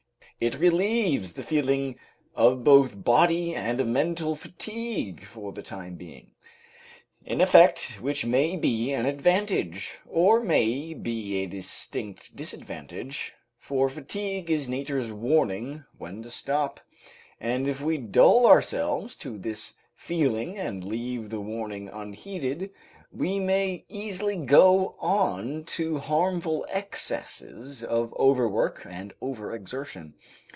It relieves the feeling of both body and mental fatigue for the time being, an effect which may be an advantage or may be a distinct disadvantage, for fatigue is Nature's warning when to stop, and if we dull ourselves to this feeling and leave the warning unheeded, we may easily go on to harmful excesses of overwork and overexertion.